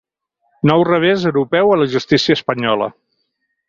Nou revés europeu a la justícia espanyola.